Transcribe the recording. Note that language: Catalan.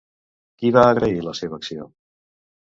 Qui va agrair la seva acció?